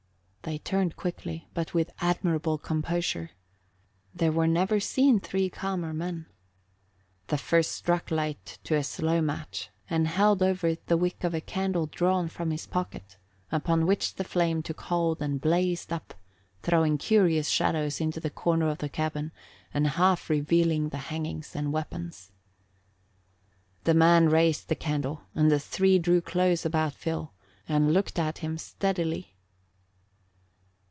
They turned quickly but with admirable composure: there were never seen three calmer men. The first struck light to a slow match and held over it the wick of a candle drawn from his pocket, upon which the flame took hold and blazed up, throwing curious shadows into the corner of the cabin and half revealing the hangings and weapons. The man raised the candle and the three drew close about Phil and looked at him steadily.